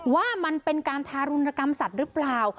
ว่ามันเป็นการทารุณกรรมสัตว์หรือเปล่า